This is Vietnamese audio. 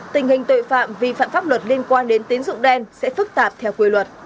tình hình tội phạm vi phạm pháp luật liên quan đến tín dụng đen sẽ phức tạp theo quy luật